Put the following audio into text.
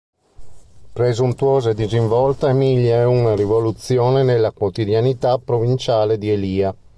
Presuntuosa e disinvolta, Emilia è una rivoluzione nella quotidianità provinciale di Elia.